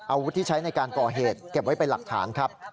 อาวุธที่ใช้ในการก่อเหตุเก็บไว้เป็นหลักฐานครับ